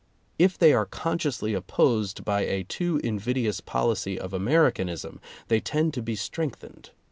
If they are consciously opposed by a too invidious policy of Americanism, they tend to be strength ened.